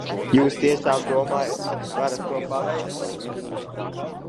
Jūs tiešām domājat, ka varat to paveikt?